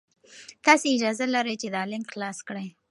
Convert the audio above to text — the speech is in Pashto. تاسي اجازه لرئ چې دا لینک خلاص کړئ.